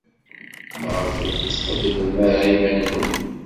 Maɣef ur d-tqeddmem ara iman-nwen?